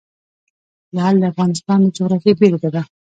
لعل د افغانستان د جغرافیې بېلګه ده.